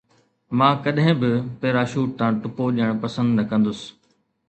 مان ڪڏهن به پيراشوٽ تان ٽپو ڏيڻ پسند نه ڪندس